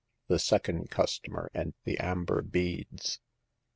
THE SECOND CUSTOMER AND THE AMBER BEADS.